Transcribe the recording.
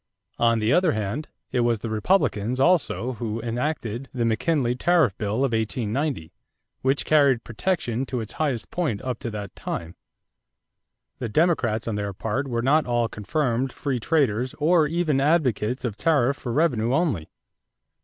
On the other hand, it was the Republicans also who enacted the McKinley tariff bill of 1890, which carried protection to its highest point up to that time. The Democrats on their part were not all confirmed free traders or even advocates of tariff for revenue only.